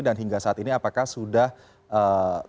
dan hingga saat ini apakah sudah berjalan